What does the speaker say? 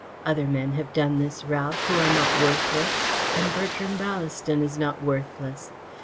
Other men have done this, Ralph, who are not worthless, and Bertram Ballaston is not worthless.